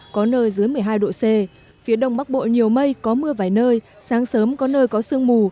có nơi dưới một mươi hai độ c phía đông bắc bộ nhiều mây có mưa vài nơi sáng sớm có nơi có sương mù